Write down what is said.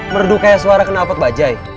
merdu kayak suara kena apat mbak jai